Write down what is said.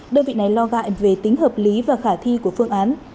đơn vị này lo ngại về tính hợp lý và khả thi của phương án